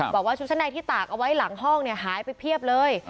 บอกว่าชุดชั้นในที่ตากเอาไว้หลังห้องเนี่ยหายไปเพียบเลย